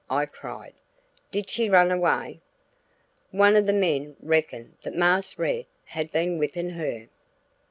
I cried. "Did she run away?" One of the men "reckoned" that "Marse Rad" had been whipping her.